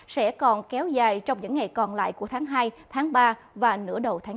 sẽ còn kéo dài trong những ngày còn lại của tháng hai tháng ba và nửa đầu tháng chín